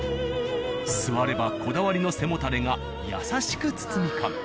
座ればこだわりの背もたれが優しく包み込む。